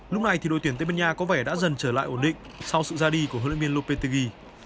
lúc này thì đội tuyển tây bên nha có vẻ đã dần trở lại ổn định sau sự ra đi của hlm lopetegui